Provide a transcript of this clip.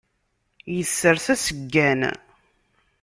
Issers aseggan.